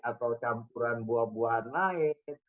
atau campuran buah buahan lain